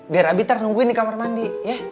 biar abiter nungguin di kamar mandi